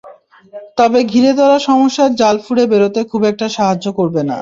তবে ঘিরে ধরা সমস্যার জাল ফুঁড়ে বেরোতে খুব একটা সাহায্য করবে না।